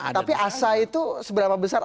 tapi asa itu seberapa besar